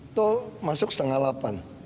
atau masuk setengah delapan